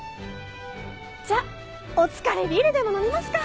じゃお疲れビールでも飲みますか！